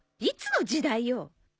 いつの時代よ。